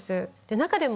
中でも。